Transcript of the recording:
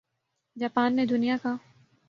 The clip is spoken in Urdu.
جاپان نے دنیا کا